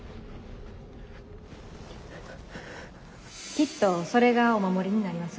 きっとそれがお守りになります。